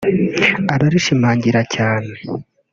ararishimangira cyane